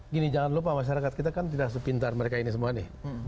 gini jangan lupa masyarakat kita kan tidak sepintar mereka ini semua nih